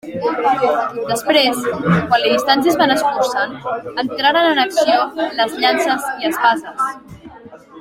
Després, quan la distància es va anar escurçant, entraren en acció les llances i espases.